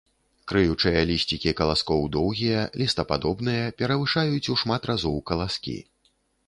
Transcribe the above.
Крыючыя лісцікі каласкоў доўгія, лістападобныя, перавышаюць у шмат разоў каласкі.